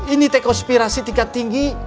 ini tes konspirasi tingkat tinggi